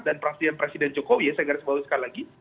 dan perhatian presiden jokowi saya garis bawah sekali lagi